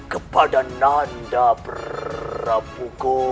kepada nanda prabu